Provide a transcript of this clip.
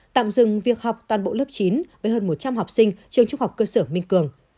tạm dừng việc học toàn bộ lớp chín với hơn một trăm linh học sinh trường trung học cơ sở minh cường